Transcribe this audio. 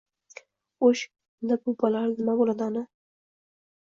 Ho'sh, unda bu bolalar nima bo'ladi, ona?